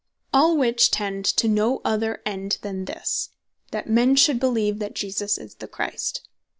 All which tend to no other end than this, that men should beleeve, that Jesus Is The Christ.